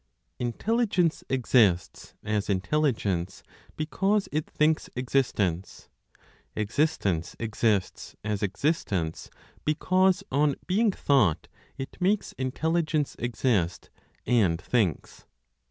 Intelligence exists (as intelligence) because it thinks existence. Existence exists (as existence) because, on being thought, it makes intelligence exist and thinks.